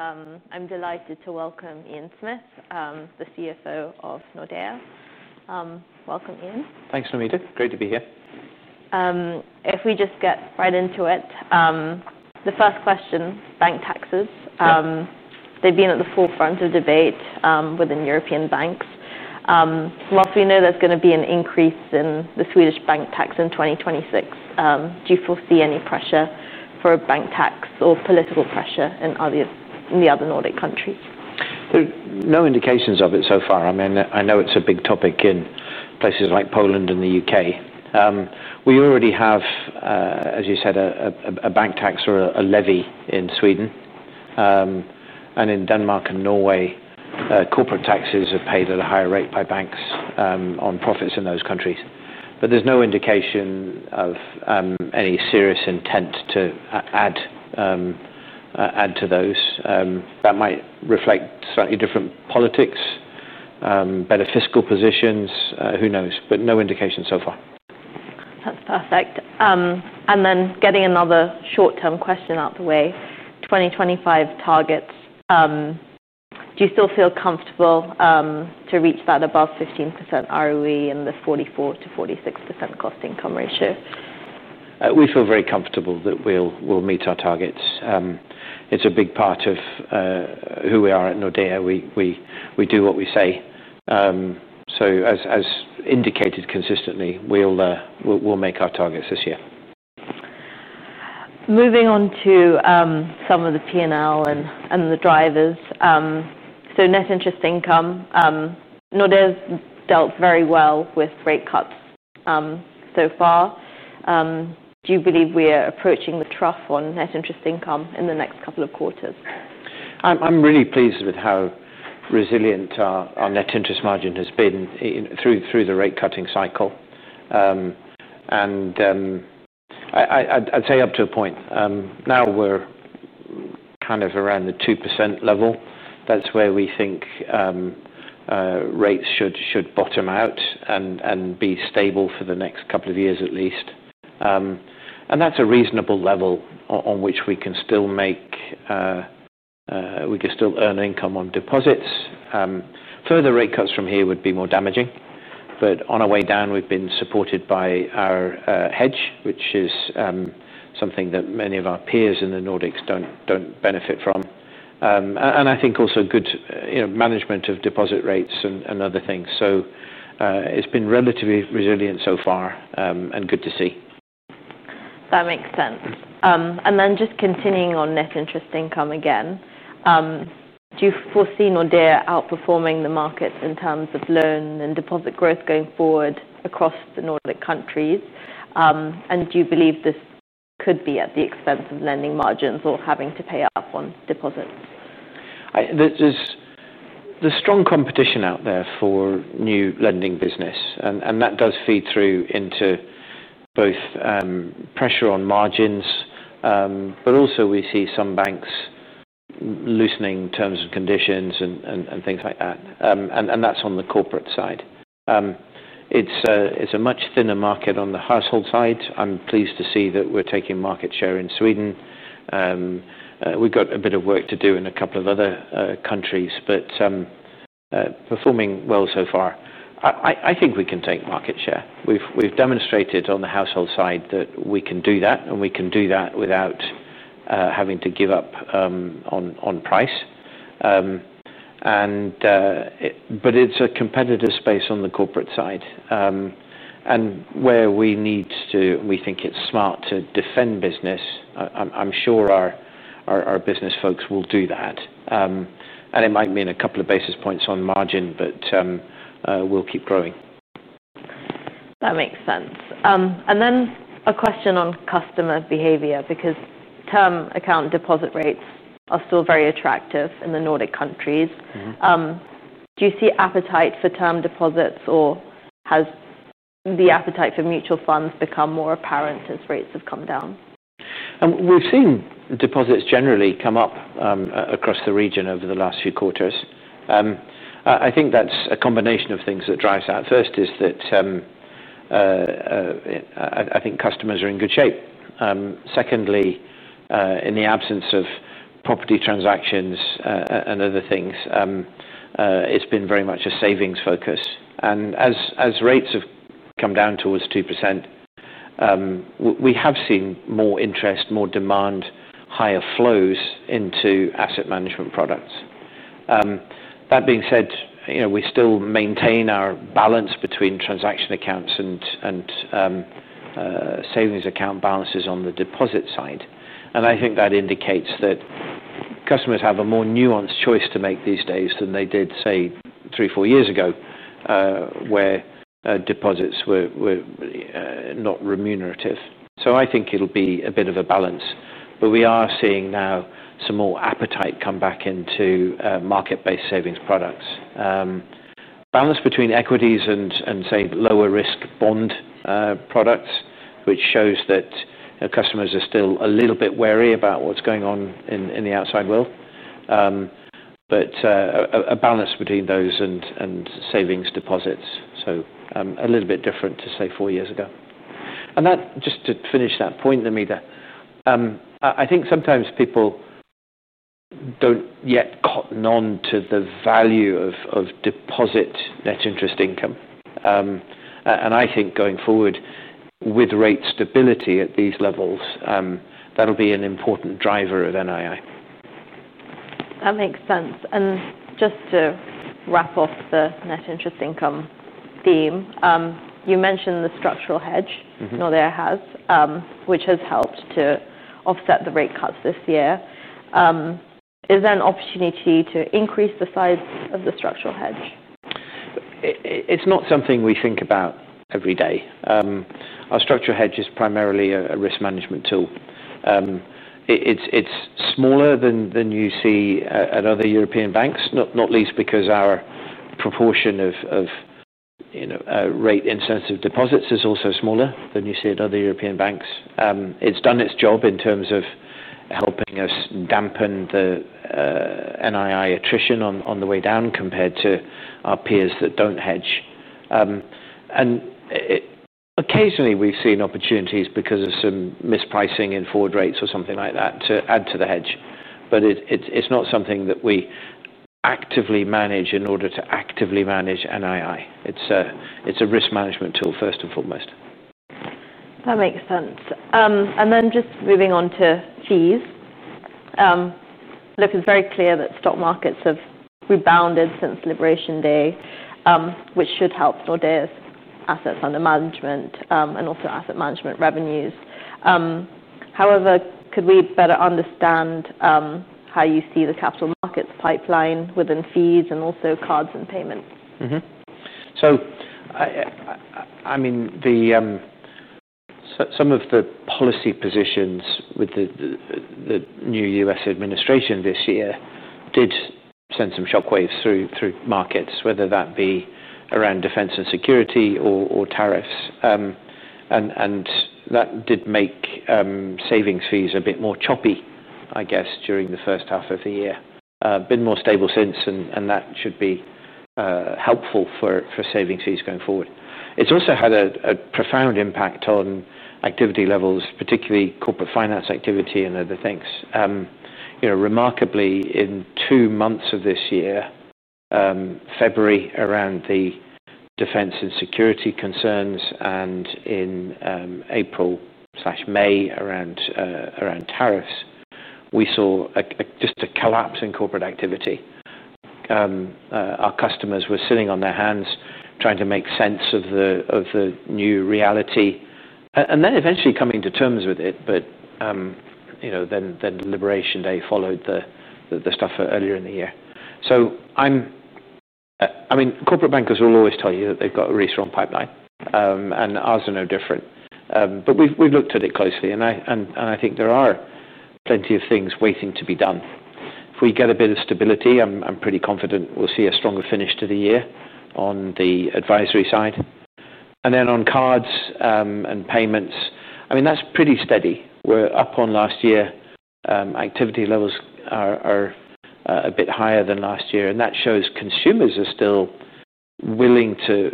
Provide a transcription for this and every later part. I'm delighted to welcome Ian Smith, the CFO of Nordea. Welcome, Ian. Thanks from me, too. Great to be here. If we just get right into it, the first question: bank taxes. They've been at the forefront of debate within European banks. From what we know, there's going to be an increase in the Swedish bank tax in 2026. Do you foresee any pressure for a bank tax or political pressure in the other Nordic countries? There are no indications of it so far. I mean, I know it's a big topic in places like Poland and the U.K. We already have, as you said, a bank tax or a levy in Sweden. In Denmark and Norway, corporate taxes are paid at a higher rate by banks on profits in those countries. There's no indication of any serious intent to add to those. That might reflect slightly different politics, better fiscal positions, who knows? No indication so far. That's perfect. Getting another short-term question out of the way: 2025 targets. Do you still feel comfortable to reach that above 15% ROE and the 44%-46% cost-income ratio? We feel very comfortable that we'll meet our targets. It's a big part of who we are at Nordea. We do what we say, so as indicated consistently, we'll make our targets this year. Moving on to some of the P&L and the drivers. Net interest income. Nordea has dealt very well with rate cuts so far. Do you believe we are approaching the trough on net interest income in the next couple of quarters? I'm really pleased with how resilient our net interest margin has been through the rate cutting cycle. I'd say up to a point. Now we're kind of around the 2% level. That's where we think rates should bottom out and be stable for the next couple of years, at least. That's a reasonable level on which we can still make, we can still earn income on deposits. Further rate cuts from here would be more damaging. On our way down, we've been supported by our hedge, which is something that many of our peers in the Nordics don't benefit from. I think also good management of deposit rates and other things. It's been relatively resilient so far and good to see. That makes sense. Just continuing on net interest income again, do you foresee Nordea outperforming the market in terms of loan and deposit growth going forward across the Nordic countries? Do you believe this could be at the expense of lending margins or having to pay up on deposits? There's strong competition out there for new lending business. That does feed through into both pressure on margins, but also we see some banks loosening in terms of conditions and things like that. That's on the corporate side. It's a much thinner market on the household side. I'm pleased to see that we're taking market share in Sweden. We've got a bit of work to do in a couple of other countries, but performing well so far. I think we can take market share. We've demonstrated on the household side that we can do that, and we can do that without having to give up on price. It's a competitive space on the corporate side. Where we need to, we think it's smart to defend business. I'm sure our business folks will do that. It might mean a couple of basis points on margin, but we'll keep growing. That makes sense. A question on customer behavior, because term account deposit rates are still very attractive in the Nordic countries. Do you see appetite for term deposits, or has the appetite for mutual funds become more apparent as rates have come down? We've seen deposits generally come up across the region over the last few quarters. I think that's a combination of things that drive that. First is that I think customers are in good shape. Secondly, in the absence of property transactions and other things, it's been very much a savings focus. As rates have come down towards 2%, we have seen more interest, more demand, higher flows into asset management products. That being said, we still maintain our balance between transaction accounts and savings account balances on the deposit side. I think that indicates that customers have a more nuanced choice to make these days than they did, say, three or four years ago, where deposits were not remunerative. I think it'll be a bit of a balance. We are seeing now some more appetite come back into market-based savings products. Balance between equities and, say, lower-risk bond products, which shows that customers are still a little bit wary about what's going on in the outside world. A balance between those and savings deposits, so a little bit different to, say, four years ago. Just to finish that point, Namita, I think sometimes people don't yet cotton on to the value of deposit net interest income. I think going forward with rate stability at these levels, that'll be an important driver of NII. That makes sense. Just to wrap up the net interest income theme, you mentioned the structural hedge Nordea has, which has helped to offset the rate cuts this year. Is there an opportunity to increase the size of the structural hedge? It's not something we think about every day. Our structural hedge is primarily a risk management tool. It's smaller than you see at other European banks, not least because our proportion of rate-insensitive deposits is also smaller than you see at other European banks. It's done its job in terms of helping us dampen the NII attrition on the way down compared to our peers that don't hedge. Occasionally, we've seen opportunities because of some mispricing in forward rates or something like that to add to the hedge. It's not something that we actively manage in order to actively manage NII. It's a risk management tool, first and foremost. That makes sense. Just moving on to fees, it's very clear that stock markets have rebounded since Liberation Day, which should help Nordea's assets under management and also asset management revenues. However, could we better understand how you see the capital markets pipeline within fees and also cards and payments? Some of the policy positions with the new U.S. administration this year did send some shockwaves through markets, whether that be around defense and security or tariffs. That did make savings fees a bit more choppy, I guess, during the first half of the year. It has been more stable since, and that should be helpful for savings fees going forward. It's also had a profound impact on activity levels, particularly corporate finance activity and other things. Remarkably, in two months of this year, February around the defense and security concerns, and in April/May around tariffs, we saw just a collapse in corporate activity. Our customers were sitting on their hands trying to make sense of the new reality and then eventually coming to terms with it. Liberation Day followed the stuff earlier in the year. Corporate bankers will always tell you that they've got a really strong pipeline, and ours are no different. We've looked at it closely, and I think there are plenty of things waiting to be done. If we get a bit of stability, I'm pretty confident we'll see a stronger finish to the year on the advisory side. On cards and payments, that's pretty steady. We're up on last year. Activity levels are a bit higher than last year, and that shows consumers are still willing to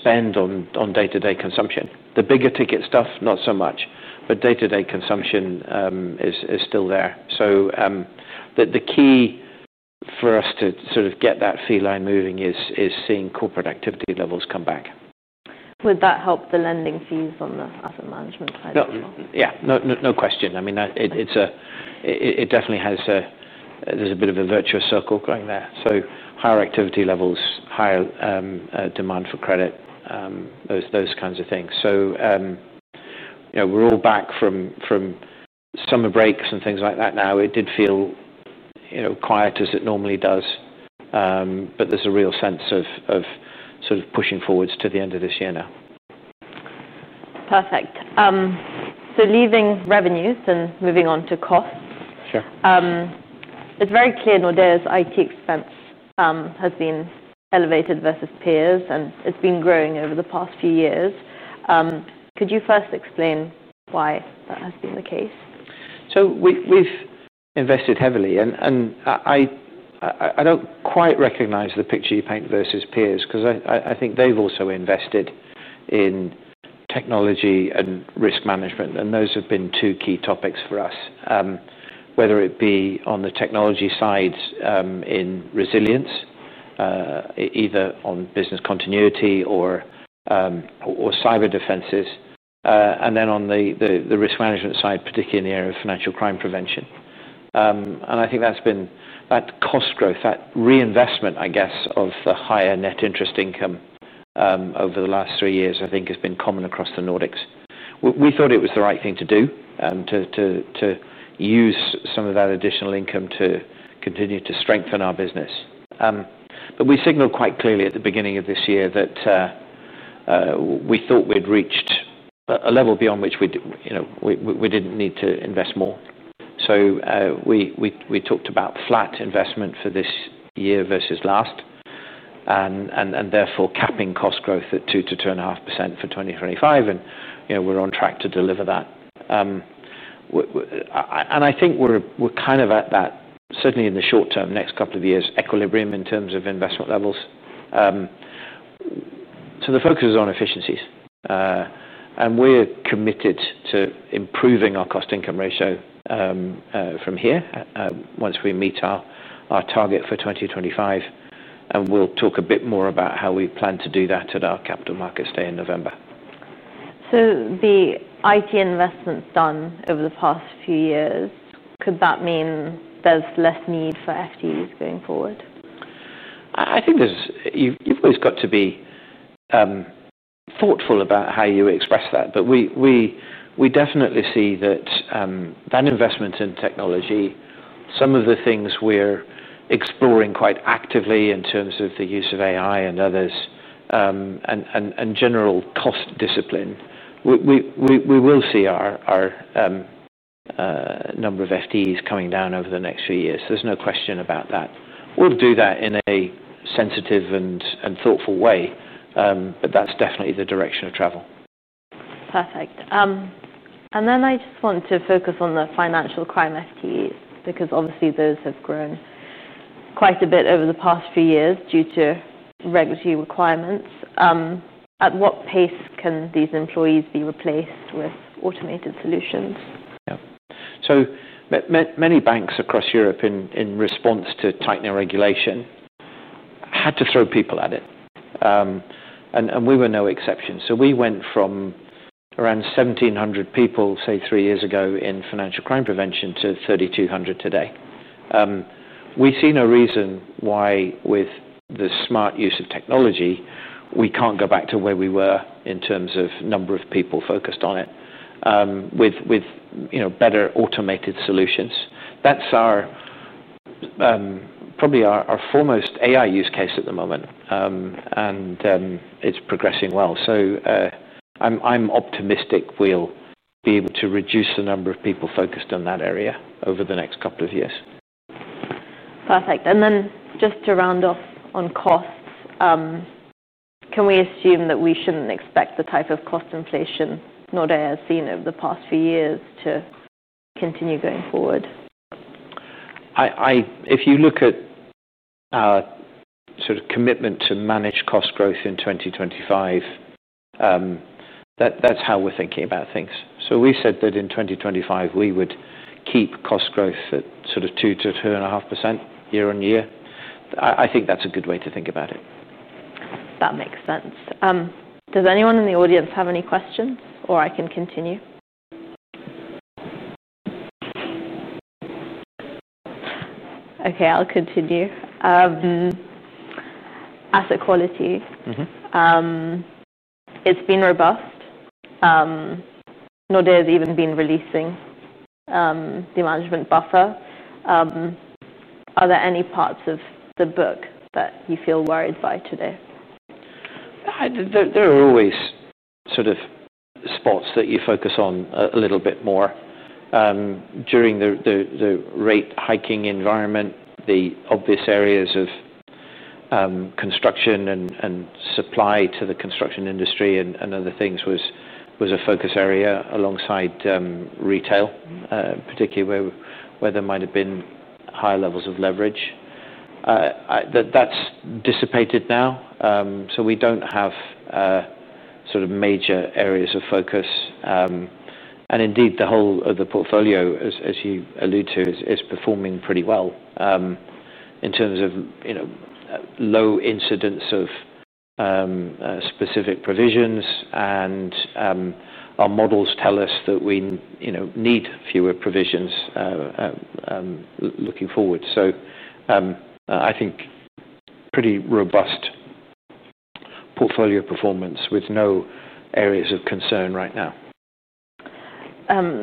spend on day-to-day consumption. The bigger ticket stuff, not so much, but day-to-day consumption is still there. The key for us to sort of get that fee line moving is seeing corporate activity levels come back. Would that help the lending fees on the asset management? Yeah, no question. I mean, it definitely has a bit of a virtuous circle going there. Higher activity levels, higher demand for credit, those kinds of things. We're all back from summer breaks and things like that now. It did feel quiet as it normally does, but there's a real sense of sort of pushing forwards to the end of this year now. Perfect. Leaving revenues and moving on to costs, it's very clear Nordea's IT expense has been elevated versus peers, and it's been growing over the past few years. Could you first explain why that has been the case? We've invested heavily, and I don't quite recognize the picture you paint versus peers because I think they've also invested in technology and risk management, and those have been two key topics for us, whether it be on the technology sides in resilience, either on business continuity or cyber defenses, and then on the risk management side, particularly in the area of financial crime prevention. I think that's been that cost growth, that reinvestment, I guess, of the higher net interest income over the last three years, has been common across the Nordics. We thought it was the right thing to do to use some of that additional income to continue to strengthen our business. We signaled quite clearly at the beginning of this year that we thought we'd reached a level beyond which we didn't need to invest more. We talked about flat investment for this year versus last, and therefore capping cost growth at 2% to 2.5% for 2025. We're on track to deliver that. I think we're kind of at that, certainly in the short term, next couple of years, equilibrium in terms of investment levels. The focus is on efficiencies. We're committed to improving our cost-income ratio from here once we meet our target for 2025. We'll talk a bit more about how we plan to do that at our capital markets day in November. The IT investment done over the past few years, could that mean there's less need for FDs going forward? I think you've always got to be thoughtful about how you express that. We definitely see that investment in technology, some of the things we're exploring quite actively in terms of the use of AI and others, and general cost discipline, we will see our number of full-time employees coming down over the next few years. There's no question about that. We'll do that in a sensitive and thoughtful way, but that's definitely the direction of travel. Perfect. I just want to focus on the financial crime FT because obviously those have grown quite a bit over the past few years due to regulatory requirements. At what pace can these employees be replaced with automated solutions? Many banks across Europe, in response to tightening regulation, had to throw people at it. We were no exception. We went from around 1,700 people, say, three years ago in financial crime prevention to 3,200 today. We see no reason why, with the smart use of technology, we can't go back to where we were in terms of number of people focused on it, with better automated solutions. That's probably our foremost AI use case at the moment, and it's progressing well. I'm optimistic we'll be able to reduce the number of people focused on that area over the next couple of years. Perfect. Just to round up on costs, can we assume that we shouldn't expect the type of cost inflation Nordea has seen over the past few years to continue going forward? If you look at commitment to managed cost growth in 2025, that's how we're thinking about things. We said that in 2025, we would keep cost growth at 2% to 2.5% year on year. I think that's a good way to think about it. That makes sense. Does anyone in the audience have any questions, or I can continue? OK, I'll continue. Asset quality. It's been robust. Nordea has even been releasing the management buffer. Are there any parts of the book that you feel worried by today? There are always sort of spots that you focus on a little bit more. During the rate hiking environment, the obvious areas of construction and supply to the construction industry and other things were a focus area alongside retail, particularly where there might have been higher levels of leverage. That's dissipated now. We don't have sort of major areas of focus. Indeed, the whole of the portfolio, as you allude to, is performing pretty well in terms of low incidence of specific provisions. Our models tell us that we need fewer provisions looking forward. I think pretty robust portfolio performance with no areas of concern right now.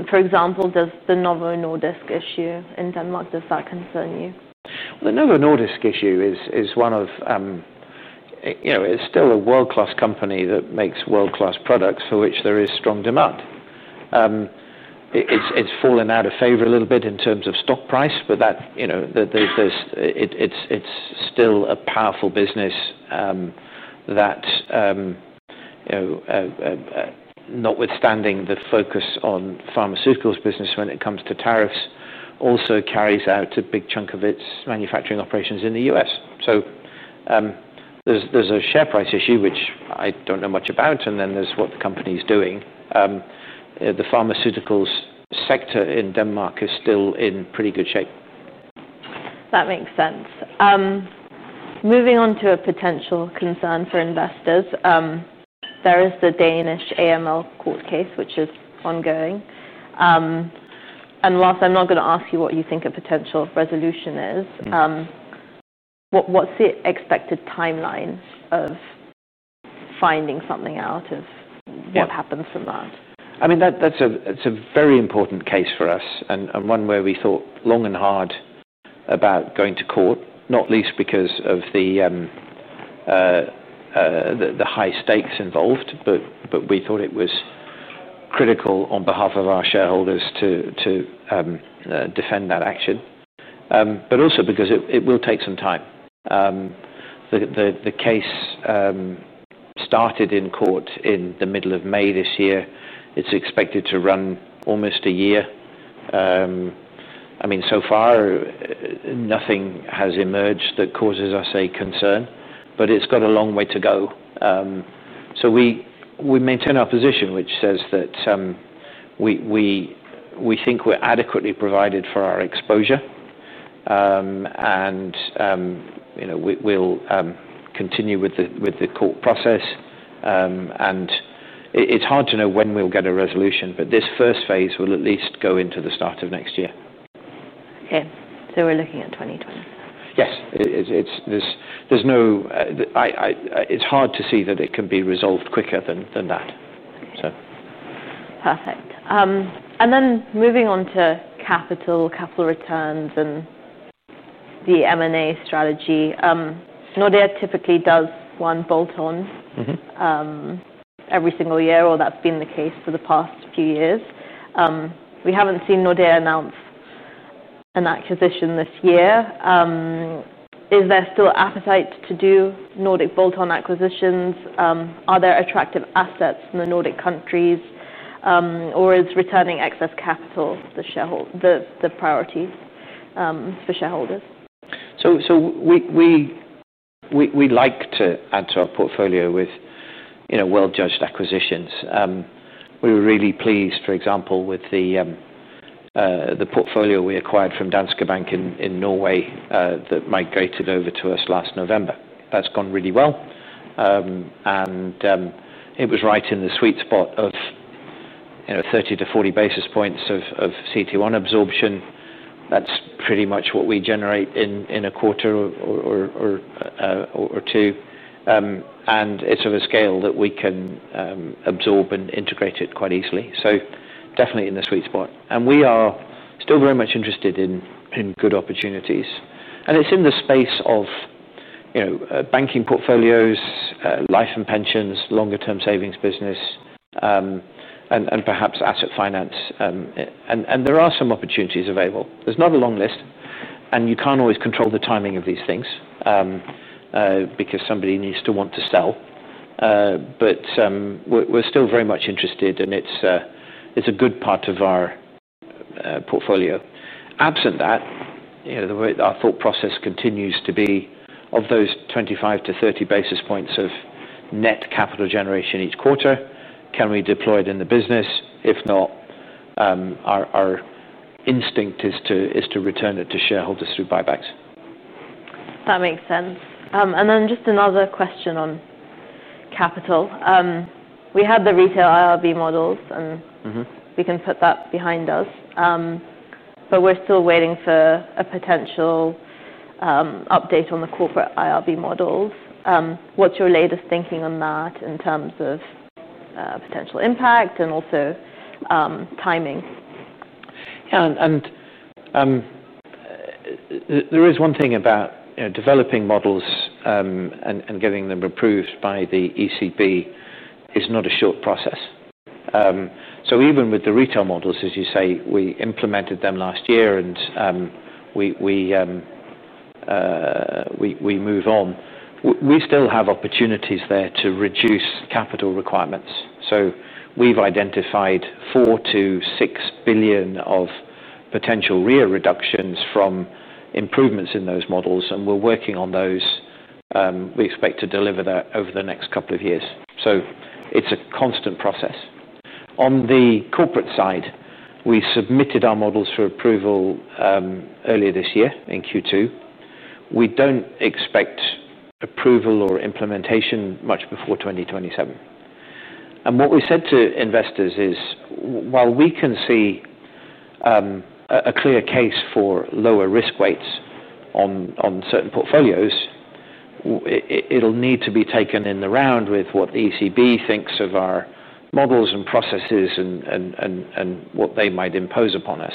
For example, does the Novo Nordisk issue in Denmark, does that concern you? The Novo Nordisk issue is one of, you know, it's still a world-class company that makes world-class products for which there is strong demand. It's fallen out of favor a little bit in terms of stock price, but it's still a powerful business that, notwithstanding the focus on pharmaceuticals business when it comes to tariffs, also carries out a big chunk of its manufacturing operations in the U.S. There's a share price issue, which I don't know much about, and then there's what the company is doing. The pharmaceuticals sector in Denmark is still in pretty good shape. That makes sense. Moving on to a potential concern for investors, there is the Danish AML court case, which is ongoing. Whilst I'm not going to ask you what you think a potential resolution is, what's the expected timeline of finding something out of what happens from that? I mean, that's a very important case for us and one where we thought long and hard about going to court, not least because of the high stakes involved. We thought it was critical on behalf of our shareholders to defend that action, but also because it will take some time. The case started in court in the middle of May this year. It's expected to run almost a year. I mean, so far, nothing has emerged that causes us a concern, but it's got a long way to go. We maintain our position, which says that we think we're adequately provided for our exposure, and we'll continue with the court process. It's hard to know when we'll get a resolution, but this first phase will at least go into the start of next year. Yeah, we're looking at 2020. Yes, it's hard to see that it can be resolved quicker than that. Perfect. Moving on to capital, capital returns, and the M&A strategy, Nordea typically does one bolt-on every single year, or that's been the case for the past few years. We haven't seen Nordea announce an acquisition this year. Is there still appetite to do Nordic bolt-on acquisitions? Are there attractive assets in the Nordic countries, or is returning excess capital the priorities for shareholders? We like to add to our portfolio with well-judged acquisitions. We were really pleased, for example, with the portfolio we acquired from Danske Bank in Norway that migrated over to us last November. That's gone really well. It was right in the sweet spot of 30-40 basis points of CET1 absorption. That's pretty much what we generate in a quarter or two, and it's of a scale that we can absorb and integrate quite easily. Definitely in the sweet spot. We are still very much interested in good opportunities. It's in the space of banking portfolios, life and pensions, longer-term savings business, and perhaps asset finance. There are some opportunities available. There's not a long list, and you can't always control the timing of these things because somebody needs to want to sell. We're still very much interested, and it's a good part of our portfolio. Absent that, our thought process continues to be of those 25-30 basis points of net capital generation each quarter. Can we deploy it in the business? If not, our instinct is to return it to shareholders through buybacks. That makes sense. Just another question on capital. We had the retail IRB models, and we can put that behind us. We're still waiting for a potential update on the corporate IRB models. What's your latest thinking on that in terms of potential impact and also timing? There is one thing about developing models and getting them approved by the ECB; it is not a short process. Even with the retail models, as you say, we implemented them last year and we move on. We still have opportunities there to reduce capital requirements. We have identified $4 billion-$6 billion of potential RWA reductions from improvements in those models, and we are working on those. We expect to deliver that over the next couple of years. It is a constant process. On the corporate side, we submitted our models for approval earlier this year in Q2. We do not expect approval or implementation much before 2027. What we said to investors is, while we can see a clear case for lower risk weights on certain portfolios, it will need to be taken in the round with what the ECB thinks of our models and processes and what they might impose upon us.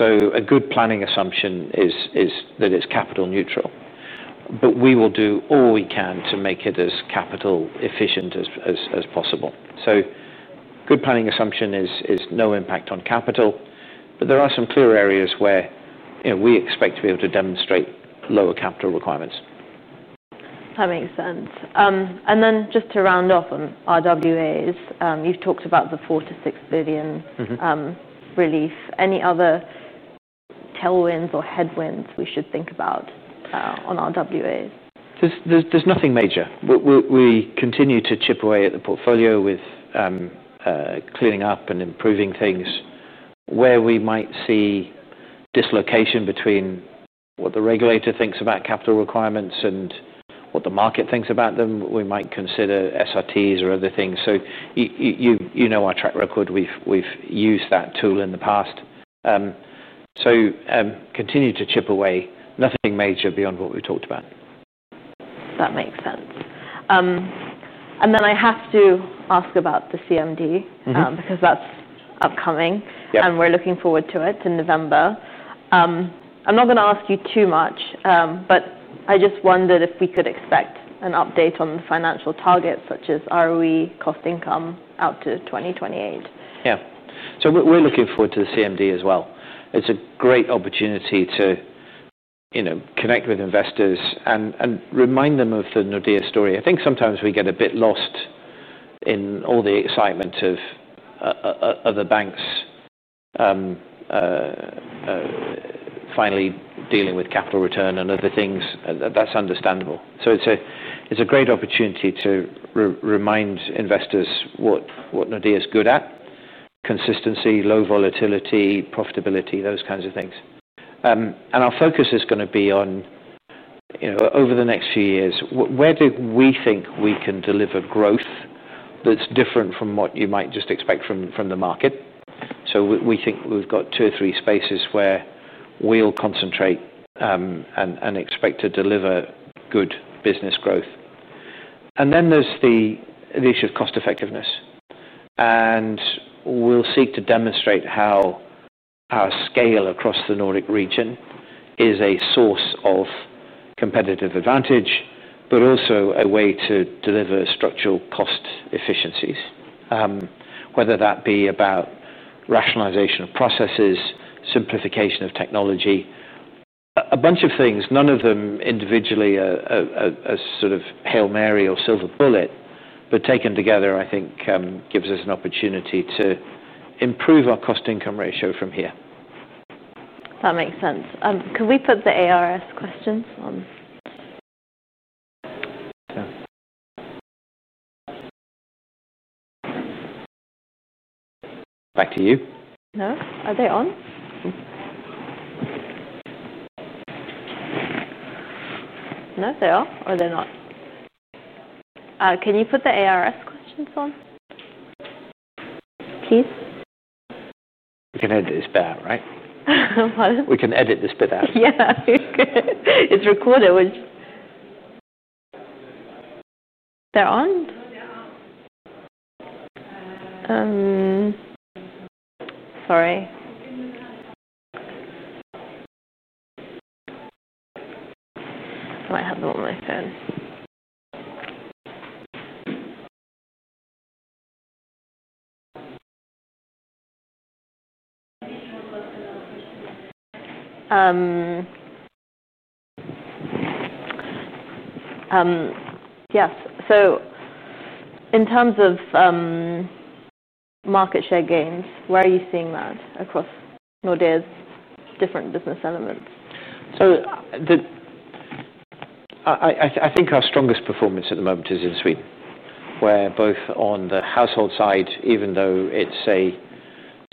A good planning assumption is that it is capital neutral. We will do all we can to make it as capital efficient as possible. A good planning assumption is no impact on capital, but there are some clear areas where we expect to be able to demonstrate lower capital requirements. That makes sense. Just to round off on RWAs, you've talked about the $4 billion-$6 billion relief. Any other tailwinds or headwinds we should think about on RWA? There's nothing major. We continue to chip away at the portfolio with cleaning up and improving things. Where we might see dislocation between what the regulator thinks about capital requirements and what the market thinks about them, we might consider SRTs or other things. You know our track record. We've used that tool in the past, so continue to chip away. Nothing major beyond what we've talked about. That makes sense. I have to ask about the CMD because that's upcoming, and we're looking forward to it in November. I'm not going to ask you too much, but I just wondered if we could expect an update on financial targets such as ROE, cost-income out to 2028. Yeah. We're looking forward to the CMD as well. It's a great opportunity to connect with investors and remind them of the Nordea story. I think sometimes we get a bit lost in all the excitement of other banks finally dealing with capital return and other things. That's understandable. It's a great opportunity to remind investors what Nordea is good at: consistency, low volatility, profitability, those kinds of things. Our focus is going to be on, over the next few years, where do we think we can deliver growth that's different from what you might just expect from the market? We think we've got two or three spaces where we'll concentrate and expect to deliver good business growth. There's the issue of cost effectiveness. We'll seek to demonstrate how our scale across the Nordic region is a source of competitive advantage, but also a way to deliver structural cost efficiencies, whether that be about rationalization of processes, simplification of technology, a bunch of things, none of them individually as sort of Hail Mary or silver bullet, but taken together, I think gives us an opportunity to improve our cost-income ratio from here. That makes sense. Can we put the ARS questions on? Back to you. Are they on? No, they are or they're not. Can you put the ARS questions on, please? We can edit this bit out, right? What? We can edit this bit out. It's recorded, which they're on. I thought I had them on my phone. Yes. In terms of market share gains, where are you seeing that across Nordea's different business elements? I think our strongest performance at the moment is in Sweden, where both on the household side, even though it's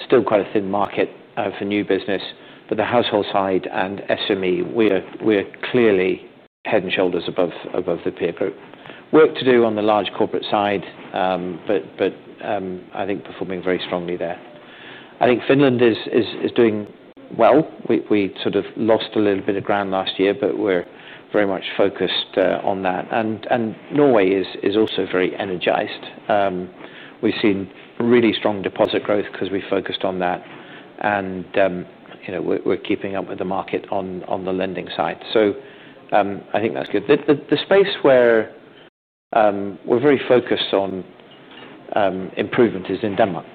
still quite a thin market for new business, but the household side and SME, we are clearly head and shoulders above the peer group. Work to do on the large corporate side, but I think performing very strongly there. I think Finland is doing well. We sort of lost a little bit of ground last year, but we're very much focused on that. Norway is also very energized. We've seen really strong deposit growth because we've focused on that. We're keeping up with the market on the lending side. I think that's good. The space where we're very focused on improvement is in Denmark,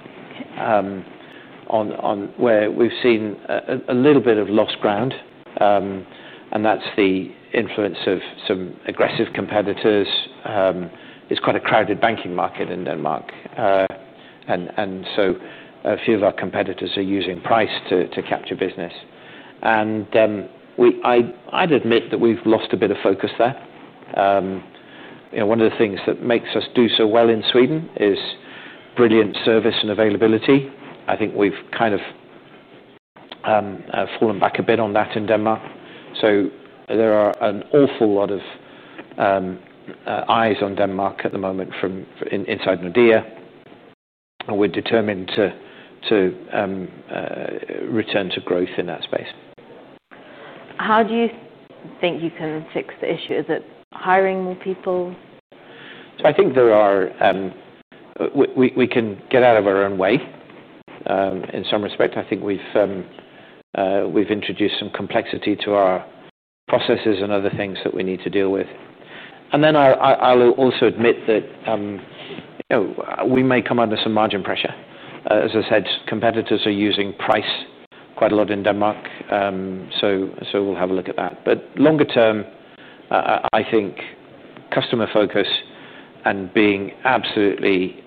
where we've seen a little bit of lost ground. That's the influence of some aggressive competitors. It's quite a crowded banking market in Denmark. A few of our competitors are using price to capture business. I'd admit that we've lost a bit of focus there. One of the things that makes us do so well in Sweden is brilliant service and availability. I think we've kind of fallen back a bit on that in Denmark. There are an awful lot of eyes on Denmark at the moment from inside Nordea. We're determined to return to growth in that space. How do you think you can fix the issue? Is it hiring more people? I think we can get out of our own way in some respect. I think we've introduced some complexity to our processes and other things that we need to deal with. I'll also admit that we may come under some margin pressure. As I said, competitors are using price quite a lot in Denmark. We'll have a look at that. Longer term, I think customer focus and being absolutely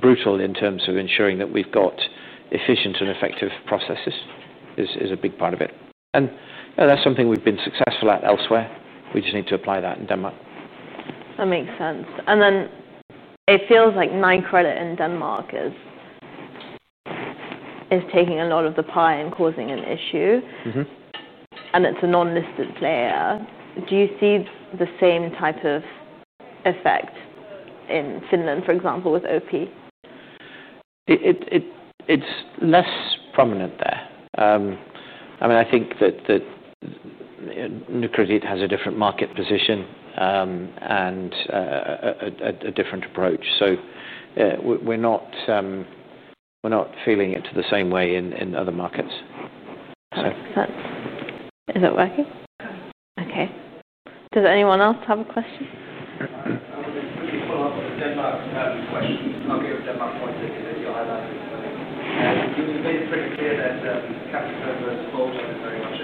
brutal in terms of ensuring that we've got efficient and effective processes is a big part of it. That's something we've been successful at elsewhere. We just need to apply that in Denmark. That makes sense. It feels like Nykredit in Denmark is taking a lot of the pie and causing an issue. It's a non-listed player. Do you see the same type of effect in Finland, for example, with OP? It's less prominent there. I mean, I think that Nykredit has a different market position and a different approach. We're not feeling it the same way in other markets. Is it working? OK. Does anyone else have a question? I was a bit far from Denmark about this question. I'm not going to Denmark for it. You're either asking for it. Give me a bit of clarity, that capital versus bolt-on, it very much.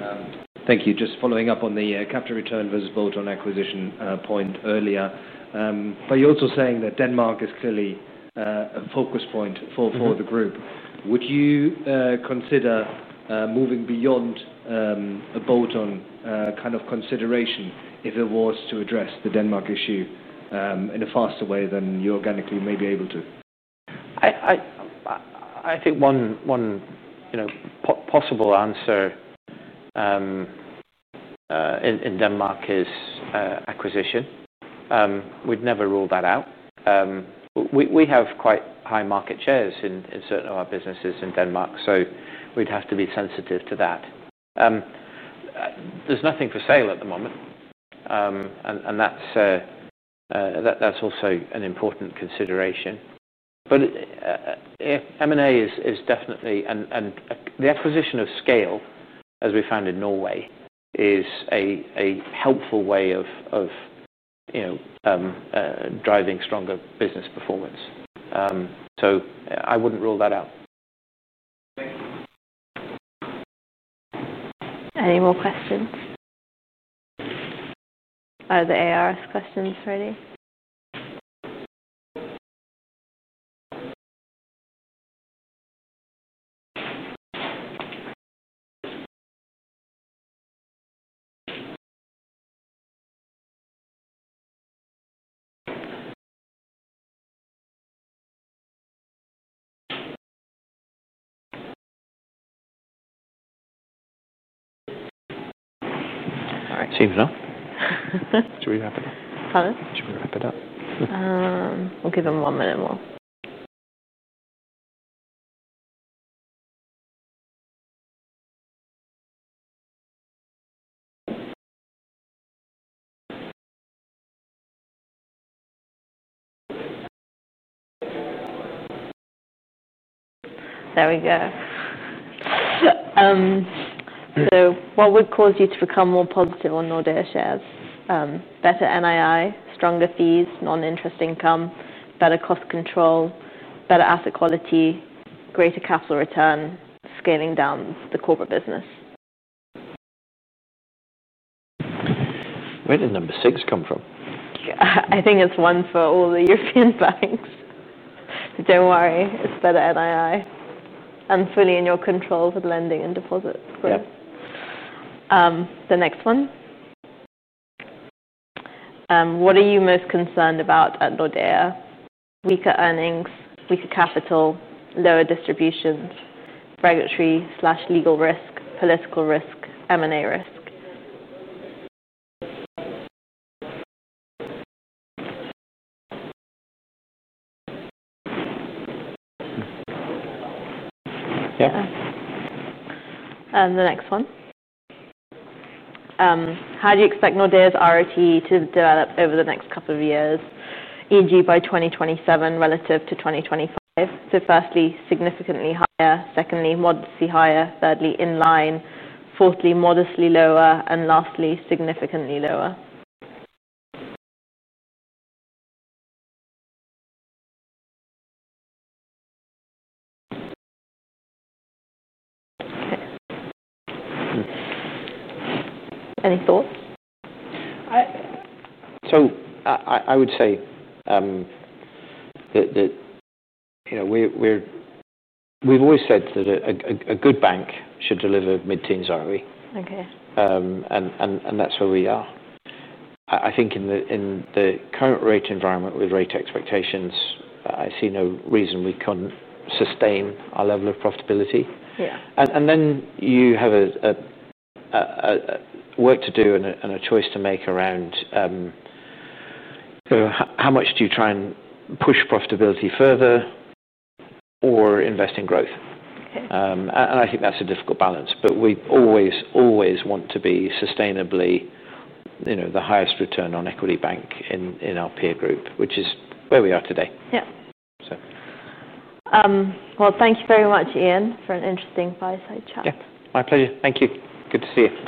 Thank you. Just following up on the capital return versus bolt-on acquisition point earlier. You're also saying that Denmark is clearly a focus point for the group. Would you consider moving beyond a bolt-on kind of consideration if it was to address the Denmark issue in a faster way than you organically may be able to? I think one possible answer in Denmark is acquisition. We'd never rule that out. We have quite high market shares in certain of our businesses in Denmark, so we'd have to be sensitive to that. There's nothing for sale at the moment, and that's also an important consideration. M&A is definitely, and the acquisition of scale, as we found in Norway, is a helpful way of driving stronger business performance. I wouldn't rule that out. Any more questions? Are the ARS questions ready? All right, team's on. Should we wrap it up? Pardon? Should we wrap it up? Give them one minute more. There we go. What would cause you to become more positive on Nordea shares? Better NII, stronger fees, non-interest income, better cost control, better asset quality, greater capital return, scaling down the corporate business? Where did number six come from? I think it's one for all the European banks. Don't worry. It's better NII and fully in your control for the lending and deposits. The next one: What are you most concerned about at Nordea? Weaker earnings, weaker capital, lower distributions, regulatory/legal risk, political risk, M&A risk. Yeah. How do you expect Nordea's ROE to develop over the next couple of years, e.g., by 2027 relative to 2025? Firstly, significantly higher. Secondly, modestly higher. Thirdly, in line. Fourthly, modestly lower. Lastly, significantly lower. Any thoughts? I would say that we've always said that a good bank should deliver mid-teens, aren't we? OK. That is where we are. I think in the current rate environment with rate expectations, I see no reason we can't sustain our level of profitability. Yeah. You have work to do and a choice to make around how much you try and push profitability further or invest in growth. I think that's a difficult balance, but we always, always want to be sustainably the highest return on equity bank in our peer group, which is where we are today. Thank you very much, Ian, for an interesting chat. My pleasure. Thank you. Good to see you.